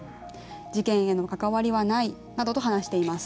事件への関わりはないなどと話しています。